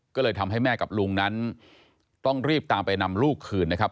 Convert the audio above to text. ก็เลยทำให้แม่กับลุงนั้นต้องรีบตามไปนำลูกคืนนะครับ